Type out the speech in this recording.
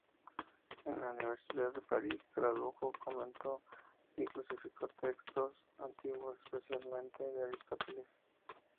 En la universidad de París tradujo, comentó y clasificó textos antiguos, especialmente de Aristóteles.